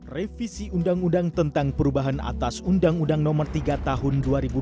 revisi undang undang tentang perubahan atas undang undang nomor tiga tahun dua ribu dua puluh